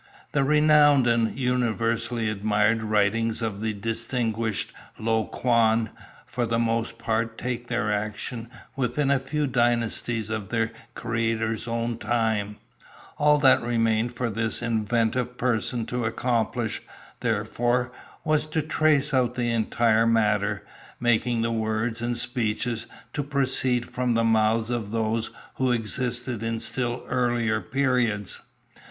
The renowned and universally admired writings of the distinguished Lo Kuan for the most part take their action within a few dynasties of their creator's own time: all that remained for this inventive person to accomplish, therefore, was to trace out the entire matter, making the words and speeches to proceed from the mouths of those who existed in still earlier periods.